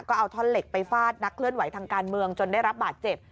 ก็เอาท่อนเหล็กไปฟาดนักเคลื่อนไหวทางการเมืองจนได้รับบาดเจ็บ